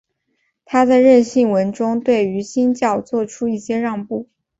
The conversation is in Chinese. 他在认信文中对于新教做出一些让步。